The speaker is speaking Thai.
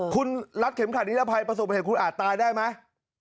คุณรัดเข็มขัดนิรภัยประสบเหตุคุณอาจตายได้ไหม